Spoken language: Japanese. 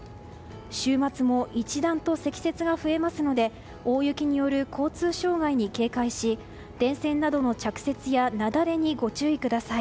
週末も一段と積雪が増えますので大雪による交通障害に警戒し電線などの着雪や雪崩にご注意ください。